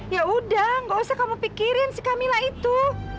ya udah gak usah kamu pikirin si camilla itu